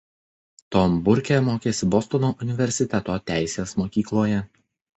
Tom Burke mokėsi Bostono universiteto teisės mokykloje.